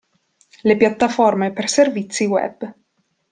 Le piattaforme per servizi web.